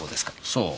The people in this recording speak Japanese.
そう。